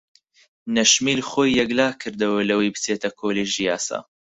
نەشمیل خۆی یەکلا کردەوە لەوەی بچێتە کۆلێژی یاسا.